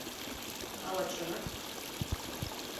Ала чынак?